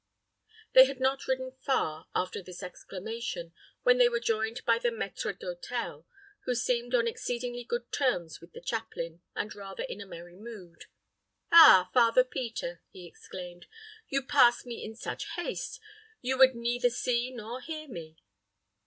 They had not ridden far, after this exclamation, when they were joined by the maître d'hôtel, who seemed on exceedingly good terms with the chaplain, and rather in a merry mood. "Ah, Father Peter!" he exclaimed; "you passed me in such haste, you would neither see nor hear me.